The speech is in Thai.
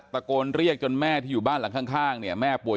ติดเตียงได้ยินเสียงลูกสาวต้องโทรศัพท์ไปหาคนมาช่วย